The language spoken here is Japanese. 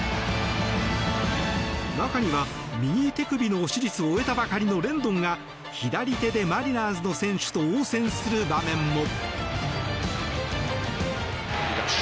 中には右手首の手術を終えたばかりのレンドンが左手でマリナーズの選手と応戦する場面も。